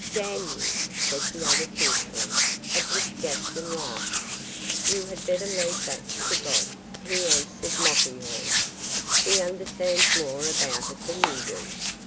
'Damn you!' said the other, fiercely, at which Gaston laughed. 'You had better leave that to God,' he answered, mockingly; 'he understands more about it than you do.